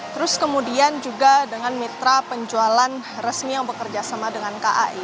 terus kemudian juga dengan mitra penjualan resmi yang bekerja sama dengan kai